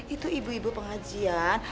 itu ibu ibu pengajian